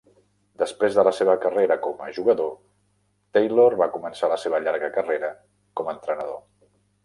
Després de la seva carrera com a jugador, Taylor va començar la seva llarga carrera com entrenador.